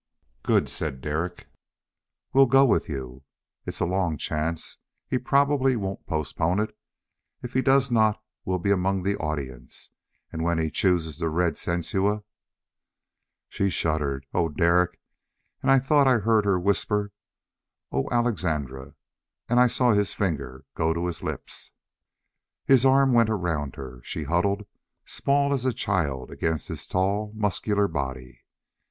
"Good!" said Derek. "We'll go with you. It's a long chance; he probably won't postpone it. If he does not, we'll be among the audience. And when he chooses the Red Sensua " She shuddered, "Oh, Derek " And I thought I heard her whisper, "Oh, Alexandre " and I saw his finger go to his lips. His arm went around her. She huddled, small as a child against his tall, muscular body.